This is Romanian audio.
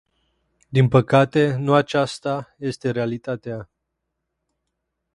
Din păcate, nu aceasta este realitatea.